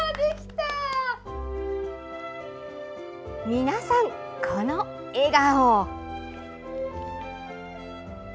皆さん、この笑顔！